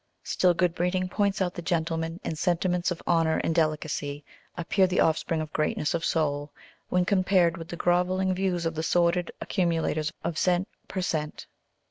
Still good breeding points out the gentleman, and sentiments of honour and delicacy appear the offspring of greatness of soul when compared with the grovelling views of the sordid accumulators of cent. per cent.